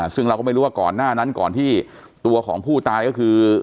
คือว่าก่อนหน้านั้นก่อนที่ตัวของผู้ตายก็คือ